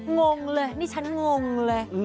งงเลยนี่ฉันงงเลย